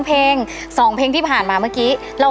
ผ่านยกที่สองไปได้นะครับคุณโอ